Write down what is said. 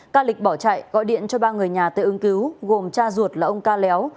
ca lịch bỏ chạy gọi điện cho ba người nhà tới ứng cứu gồm cha ruột là ông ca léo